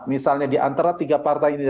misalnya di antara tiga partai ini